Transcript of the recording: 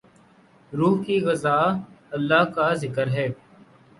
روح کی غذا اللہ کا ذکر ہے